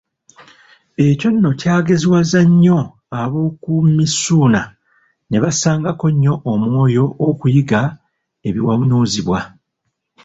Ekyo nno kyageziwaza nnyo ab'oku Misuuna ne bassangako nnyo omwoyo okuyiga ebiwanuuzibwa.